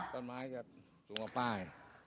ต้นไม้ครับจูงเอาไป